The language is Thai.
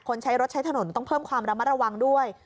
ใช้รถใช้ถนนต้องเพิ่มความระมัดระวังด้วย